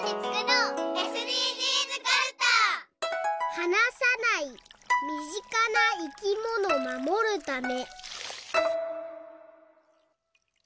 「はなさないみぢかないきものまもるため」